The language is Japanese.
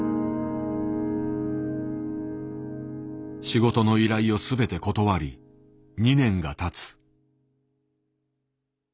仕事の依頼を全て断り２年がたつ。